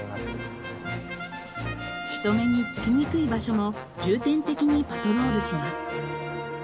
人目につきにくい場所も重点的にパトロールします。